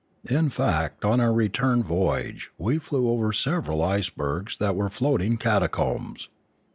In fact on our return voyage we flew over several icebergs that were floating catacombs.